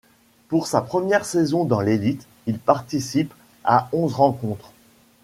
Pour sa première saison dans l'élite, il participe à onze rencontres.